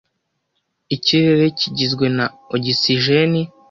Ikirere kigizwe na ogisijeni.